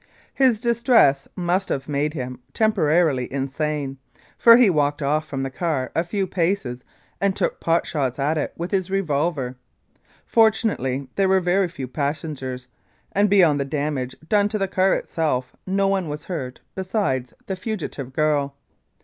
His distress must have made him temporarily insane, for he walked off from the car a few paces and took pot shots at it with his revolver. Fortunately there were very few passengers, and beyond the damage done to the car itself no one was hurt besides the fugitive girl.